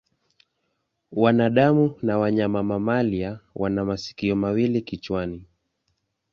Wanadamu na wanyama mamalia wana masikio mawili kichwani.